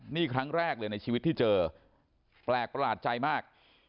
นี่ครั้งแรกเลยในชีวิตที่เจอแปลกประหลาดใจมาก